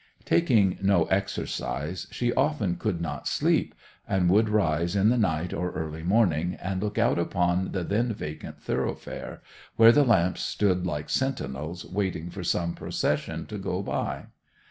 Taking no exercise, she often could not sleep, and would rise in the night or early morning and look out upon the then vacant thoroughfare, where the lamps stood like sentinels waiting for some procession to go by.